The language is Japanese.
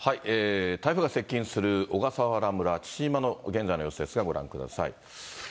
台風が接近する小笠原村父島の現在の様子ですが、ご覧ください。